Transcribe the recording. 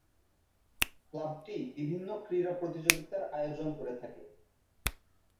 ক্লাবটি বিভিন্ন ক্রীড়া প্রতিযোগিতার আয়োজন করে থাকে।